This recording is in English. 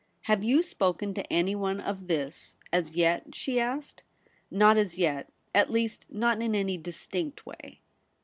' Have you spoken to anyone of this as yet ?' she asked. ' Not as yet ; at least not in any distinct way.'